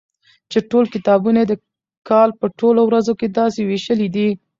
چي ټول کتابونه يي د کال په ټولو ورځو داسي ويشلي دي